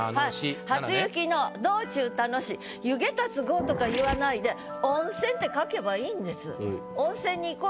「初雪の道中楽し」「湯気たつ郷」とか言わないで「温泉」って書けばいいんです。